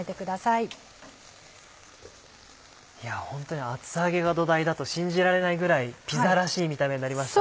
いやホントに厚揚げが土台だと信じられないぐらいピザらしい見た目になりました。